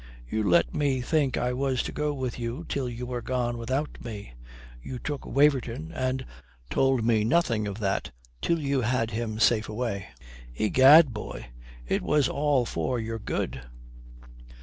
You let me think I was to go with you till you were gone without me. You took Waverton and told me nothing of that till you had him safe away." "Egad, boy, it was all for your good."